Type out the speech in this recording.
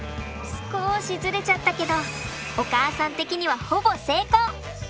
少しズレちゃったけどお母さん的にはほぼ成功！